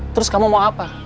terus kamu mau apa